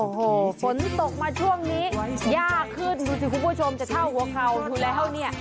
โอ้โหฝนตกมาช่วงนี้ยากขึ้นดูสิคุณผู้ชมจะเช่าหัวเข่าอยู่แล้วเนี่ย